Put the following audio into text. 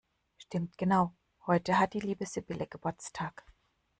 Stimmt genau, heute hat die liebe Sibylle Geburtstag!